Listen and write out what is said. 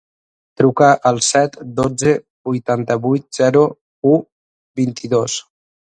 Truca al set, dotze, vuitanta-vuit, zero, u, vint-i-dos.